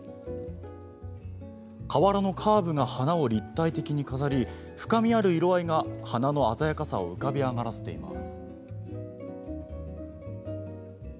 瓦のカーブが花を立体的に飾り深みある色合いが花の鮮やかさを浮かび上がらせています。